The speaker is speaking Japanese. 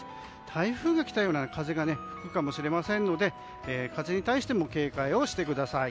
台風が来たような風が吹くかもしれませんので風に対しても警戒をしてください。